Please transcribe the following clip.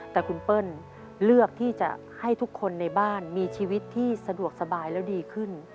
แต่คุณเปิ้ลเลือกที่จะให้ทุกคนในบ้านมีชีวิตที่สะดวกสบายแล้วดีขึ้น